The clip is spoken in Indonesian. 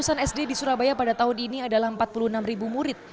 sampai di surabaya pada tahun ini adalah empat puluh enam ribu murid